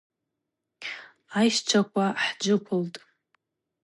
Айщчваква хӏджвыквылтӏ.